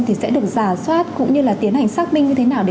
thì sẽ được giả soát cũng như là tiến hành xác minh như thế nào